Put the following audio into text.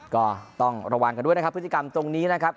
ก็ต้องระวังกันด้วยนะครับพฤติกรรมตรงนี้นะครับ